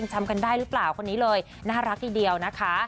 จำกันได้หรือเปล่าคนนี้เลยน่ารักทีเดียวนะคะ